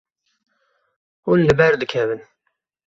Hûn li ber dikevin.